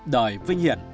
đời vinh hiển